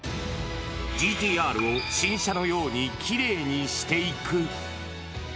ＧＴーＲを新車のようにきれいにしていく。